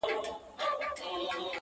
چا راوستي وي وزګړي او چا مږونه,